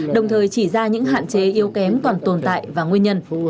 đồng thời chỉ ra những hạn chế yếu kém còn tồn tại và nguyên nhân